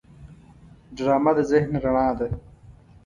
ډرامه د ذهن رڼا ده